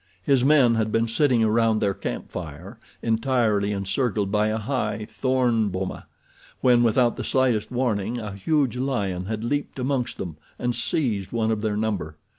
His men had been sitting around their camp fire, entirely encircled by a high, thorn boma, when, without the slightest warning, a huge lion had leaped amongst them and seized one of their number.